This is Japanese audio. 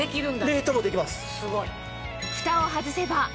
冷凍もできます。